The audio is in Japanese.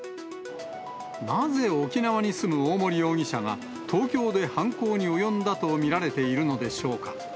なぜ沖縄に住む大森容疑者が、東京で犯行に及んだと見られているのでしょうか。